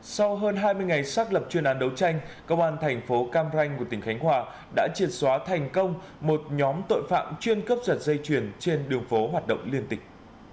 sau hơn hai mươi ngày xác lập chuyên án đấu tranh công an thành phố cam ranh của tỉnh khánh hòa đã triệt xóa thành công một nhóm tội phạm chuyên cướp giật dây chuyền trên đường phố hoạt động liên tịch